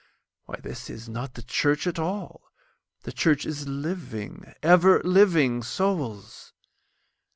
Why this is not the church at all—the Church is living, ever living Souls.")